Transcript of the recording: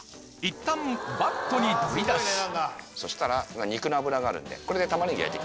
そしたら肉の脂があるんでこれで玉ねぎ焼いていきます。